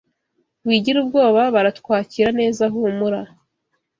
Wigira ubwoba Baratwakira neza humura